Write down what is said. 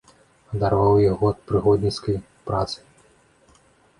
Адарваў яго ад прыгонніцкай працы.